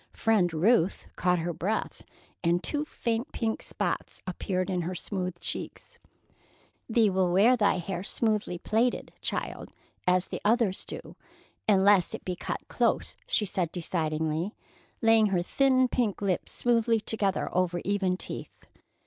Friend Ruth caught her breath, and two faint pink spots appeared in her smooth cheeks. "Thee will wear thy hair smoothly plaited, child, as the others do, unless it be cut close," she said decidedly, laying her thin pink lips smoothly together over even teeth.